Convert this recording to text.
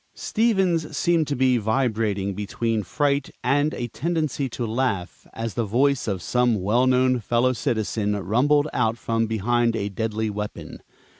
Stevens seemed to be vibrating between fright and a tendency to laugh, as the voice of some well known fellow citizen rumbled out from behind a deadly weapon.